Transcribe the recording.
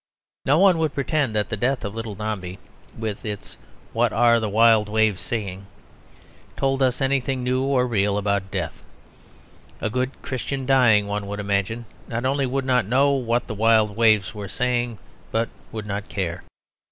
No one would pretend that the death of little Dombey (with its "What are the wild waves saying?") told us anything new or real about death. A good Christian dying, one would imagine, not only would not know what the wild waves were saying, but would not care.